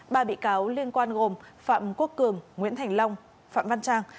ba bị cáo liên quan gồm phạm quốc cường nguyễn thành long phạm văn trang